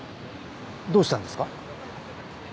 どうしたんですか？